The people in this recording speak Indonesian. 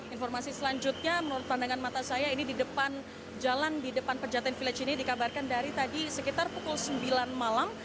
informasi selanjutnya menurut pandangan mata saya ini di depan jalan di depan pejaten village ini dikabarkan dari tadi sekitar pukul sembilan malam